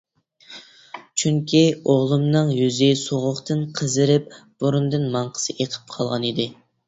چۈنكى ئوغلۇمنىڭ يۈزى سوغۇقتىن قىزىرىپ، بۇرنىدىن ماڭقىسى ئېقىپ قالغانىدى.